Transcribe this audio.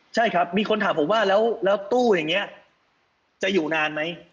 ใช่ครับมีคนถามผมว่าแล้วตู้อย่างนี้จะอยู่นานไหม